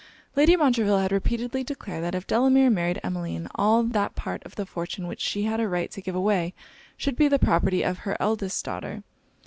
Lady Montreville had repeatedly declared, that if Delamere married Emmeline all that part of the fortune which she had a right to give away should be the property of her eldest daughter.